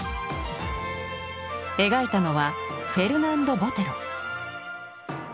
描いたのはフェルナンド・ボテロ。